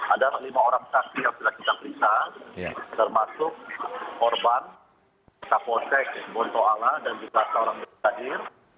ada lima orang saksi yang sudah kita periksa termasuk korban kapolsek bontoala ⁇ dan juga seorang berkadir